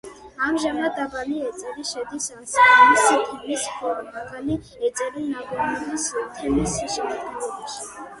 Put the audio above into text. ამჟამად დაბალი ეწერი შედის ასკანის თემის, ხოლო მაღალი ეწერი ნაგომრის თემის შემადგენლობაში.